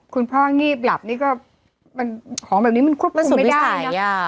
คุณพ่องีบหลับนี่ก็มันของแบบนี้มันคุบไม่ได้สุดไม่ใสอ่ะ